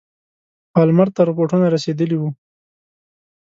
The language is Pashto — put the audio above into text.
پالمر ته رپوټونه رسېدلي وه.